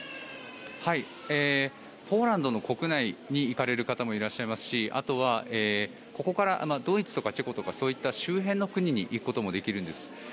ポーランドの国内に行かれる方もいらっしゃいますしあとはここからドイツとかチェコとかそういった周辺の国に行くこともできるんです。